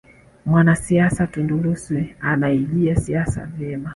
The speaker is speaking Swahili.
mwanasiasa tundu lissu anaijia siasa vyema